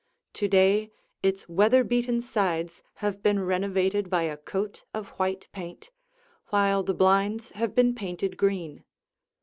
To day its weather beaten sides have been renovated by a coat of white paint, while the blinds have been painted green.